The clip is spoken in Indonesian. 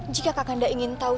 jika kakanda ingin tahu